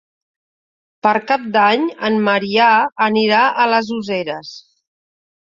Per Cap d'Any en Maria anirà a les Useres.